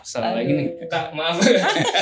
eh salah lagi nih kak maaf